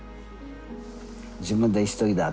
自分で一人だって。